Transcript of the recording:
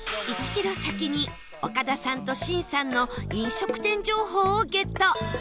１キロ先におか田さんとシンさんの飲食店情報をゲット